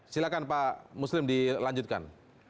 silakan pak muslim dilanjutkan